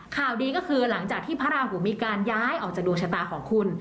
ข่าวดีก็คือหลังจากที่พระราหูมีการย้ายออกจากดวงชะตาของคุณ